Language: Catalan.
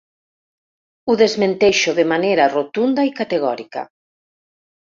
Ho desmenteixo de manera rotunda i categòrica.